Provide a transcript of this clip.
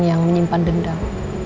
yang menyimpan dendam